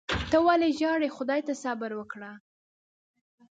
ته ولي ژاړې . خدای ته صبر وکړه